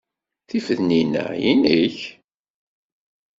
Tifednin-a inek?